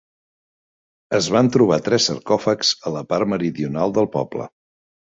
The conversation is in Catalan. Es van trobar tres sarcòfags a la part meridional del poble.